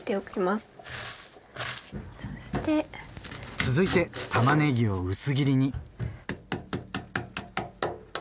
続いてたまねぎを薄切りに。